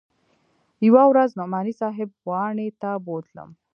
يوه ورځ نعماني صاحب واڼې ته بوتلم.